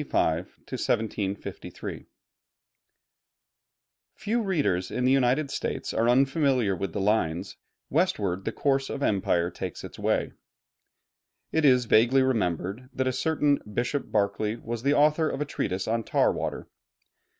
GEORGE BERKELEY (1685 1753) Few readers in the United States are unfamiliar with the lines, "Westward the course of empire takes its way." It is vaguely remembered that a certain Bishop Berkeley was the author of a treatise on tar water.